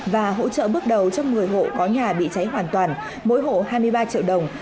và hỗ trợ bước đầu cho một mươi hộ có nhà bị cháy hoàn toàn mỗi hộ hai mươi ba triệu đồng